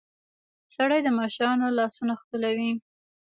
سړى د مشرانو لاسونه ښکلوي.